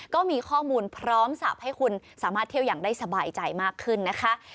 ก็มีข้อมูลพร้อมสับให้คุณสามารถเที่ยวอย่างได้สบายใจมากขึ้นนะคะ